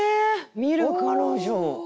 「見る彼女」。